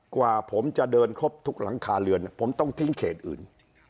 กว่าผมจะเดินครบทุกหลังคาเรือนผมต้องทิ้งเขตอื่น